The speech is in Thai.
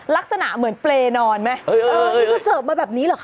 ลักษณะเหมือนเปรย์นอนไหมนี่คือเสิร์ฟมาแบบนี้เหรอค